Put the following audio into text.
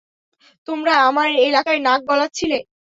তোমরা আমার এলাকায় নাক গলাচ্ছিলে।